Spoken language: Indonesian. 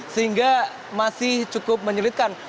sehingga masih cukup menyulitkan